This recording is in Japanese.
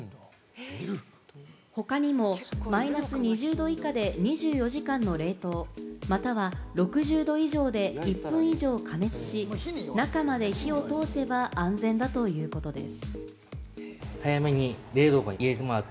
他にもマイナス２０度以下で２４時間の冷凍、または６０度以上で１分以上加熱し、中まで火を通せば安全だということです。